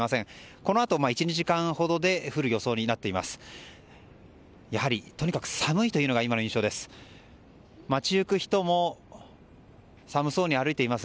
このあと、１２時間ほどで降る予想になっています。